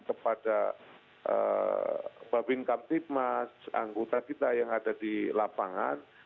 kepada bapak bintang timas anggota kita yang ada di lapangan